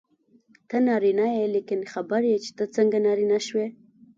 ته نارینه یې لیکن خبر یې چې ته څنګه نارینه شوې.